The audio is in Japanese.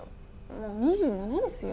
もう２７ですよ？